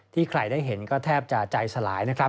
ใครได้เห็นก็แทบจะใจสลายนะครับ